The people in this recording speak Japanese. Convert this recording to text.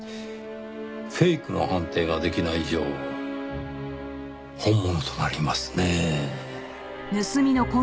フェイクの判定ができない以上本物となりますねぇ。